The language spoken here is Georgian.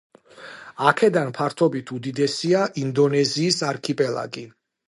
აქედან ფართობით უდიდესია ინდონეზიის არქიპელაგი.